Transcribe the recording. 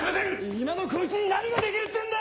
今のこいつに何ができるっていうんだ！